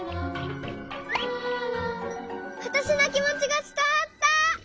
わたしのきもちがつたわった。